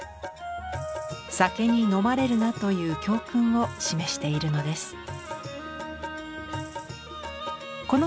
酒に飲まれるなという教訓を示しているのです。